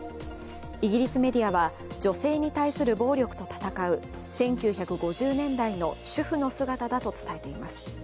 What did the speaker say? イギリスメディアは女性に対する暴力と戦う１９５０年代の主婦の姿だと伝えています。